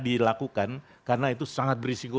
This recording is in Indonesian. dilakukan karena itu sangat berisiko